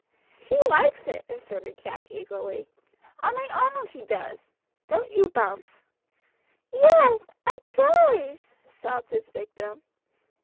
"She likes it," asserted Jack eagerly. "On my honour she does don't you, Bumps?" "Yeth, I does!" sobbed his victim.